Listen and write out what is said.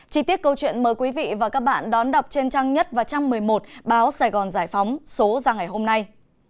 chí tiết câu chuyện mời quý vị và các bạn đón đọc trên trang nhất và trang một mươi một báo sài gòn giải phóng số ra ngày hôm nay